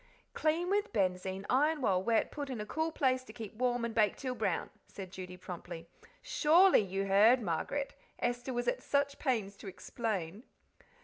"Clean with benzine, iron while wet, put in a cool place to keep warm, and bake till brown," said Judy promptly. "SURELY you heard, Margaret? Esther was at such pains to explain."